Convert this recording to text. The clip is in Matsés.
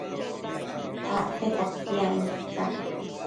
Acte potiacno ista